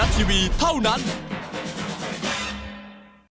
อาทิตย์ที่๓มกราคมนางพระยาแดนมังกร